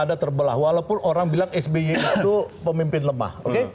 di zaman sby bangsa gak ada terbelah